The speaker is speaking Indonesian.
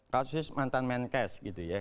kasus mantan menkes gitu ya